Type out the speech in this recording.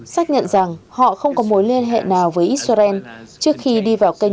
xác nhận rằng họ không có mối liên hệ nào với yemen